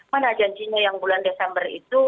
mana janjinya yang bulan desember itu